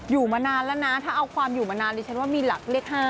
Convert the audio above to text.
อยู่มานานแล้วนะถ้าเอาความอยู่มานานดิฉันว่ามีหลักเลข๕